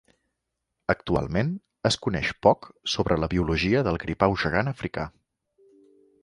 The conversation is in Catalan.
Actualment es coneix poc sobre la biologia del gripau gegant africà.